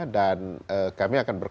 dan kami akan bekerjasama dengan perguruan